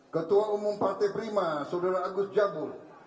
ketua umum partai prima saudara agus jambul